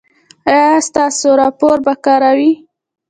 ایا ستاسو راپور به کره وي؟